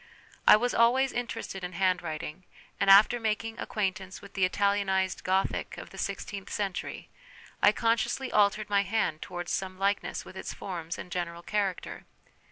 I was always interested in handwriting, and after making acquaint ance with the Italianised Gothic of the sixteenth century, I consciously altered my hand towards some likeness with its forms and general character.